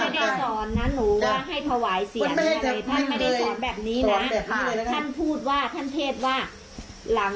ด้วยอาภด้วยทราบฝั่ง